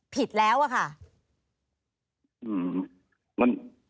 ผิดแล้วอะค่ะ